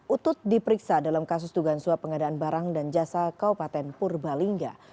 utut diperiksa dalam kasus dugaan suap pengadaan barang dan jasa kaupaten purbalingga